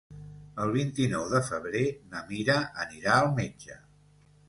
El vint-i-nou de febrer na Mira anirà al metge.